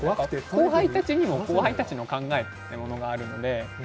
後輩たちにも後輩たちの考えがあるので。